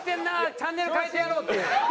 チャンネル替えてやろう」って。